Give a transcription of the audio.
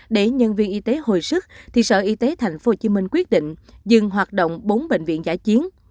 để nhân viên y tế hồi sức thì sở y tế thành phố hồ chí minh quyết định dừng hoạt động bốn bệnh viện giải chiến